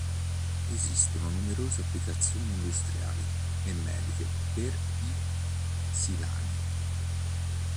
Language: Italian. Esistono numerose applicazioni industriali e mediche per i silani.